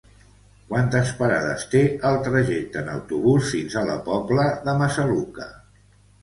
Quantes parades té el trajecte en autobús fins a la Pobla de Massaluca?